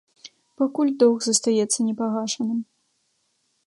Пакуль доўг застаецца непагашаным.